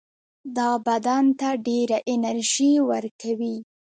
دا بدن ته ډېره انرژي ورکوي.